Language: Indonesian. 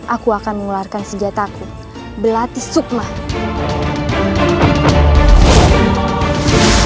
atau kau mengenangkan abikara